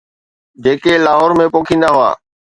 جيڪي لاهور ۾ پوکيندا هئا.